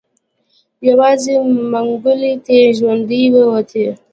يوازې منګلی تې ژوندی وتی.